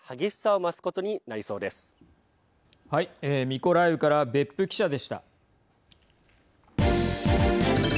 ミコライウから別府記者でした。